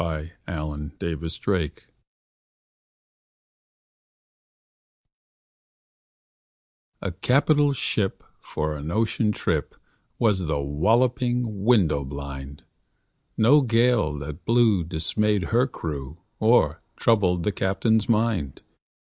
Y Z A Nautical Ballad A CAPITAL ship for an ocean trip Was The Walloping Window blind No gale that blew dismayed her crew Or troubled the captain's mind.